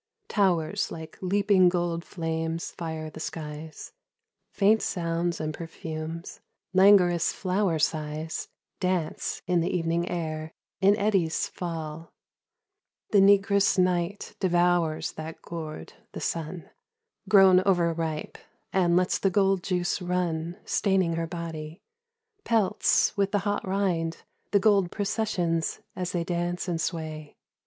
Towers like leaping gold flames fire the skies ; Faint sounds and perfumes, languorous flower sighs Dance in the evening air, in eddies fall. 76 From the Balcony. The negress Night devours that gourd the sun — Grown over ripe, and lets the gold juice run Staining her body ; pelts with the hot rind The gold processions as they dance and sway.